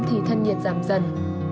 thì thân nhiệt giảm dần